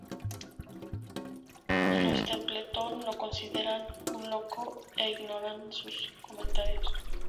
Los Templeton lo consideran un loco e ignoran sus comentarios.